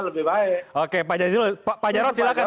lebih baik oke pak jarod silahkan